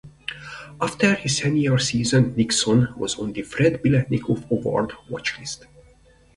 After his senior season Nixon was on the Fred Biletnikoff Award Watch List.